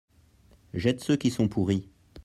Jette ceux qui sont pourris.